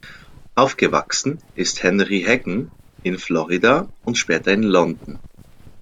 Aufgewachsen ist Henry Heggen in Florida und später in London.